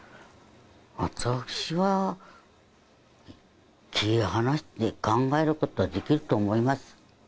私は切り離して考えることはできると思います